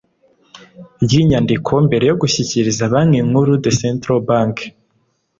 ry inyandiko mbere yo gushyikiriza banki nkuru the central bank